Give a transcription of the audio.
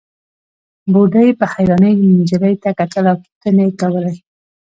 بوډۍ په حيرانۍ نجلۍ ته کتل او پوښتنې يې کولې.